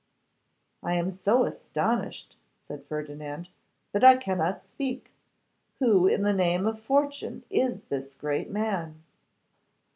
'I am so astonished,' said Ferdinand, 'that I cannot speak. Who in the name of fortune is this great man?